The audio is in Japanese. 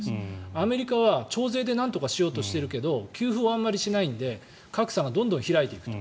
アメリカは徴税でなんとかしようとしているけど給付をあまりしないので格差がどんどん開いていくと。